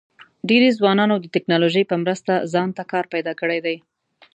ډېری ځوانانو د ټیکنالوژۍ په مرسته ځان ته کار پیدا کړی دی.